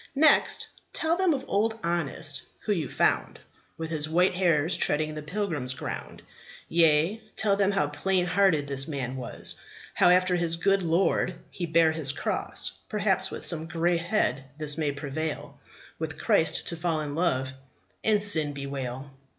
Next tell them of Old Honest, who you found With his white hairs treading the pilgrim's ground; Yea, tell them how plain hearted this man was, How after his good Lord he bare his cross: Perhaps with some grey head this may prevail, With Christ to fall in love, and sin bewail.